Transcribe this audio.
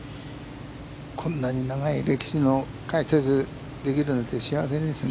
こんなに長い歴史の解説できるなんて幸せですね。